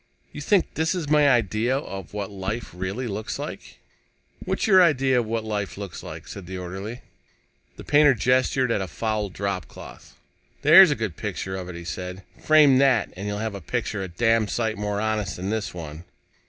"You think this is my idea of what life really looks like?" "What's your idea of what life looks like?" said the orderly. The painter gestured at a foul dropcloth. "There's a good picture of it," he said. "Frame that, and you'll have a picture a damn sight more honest than this one."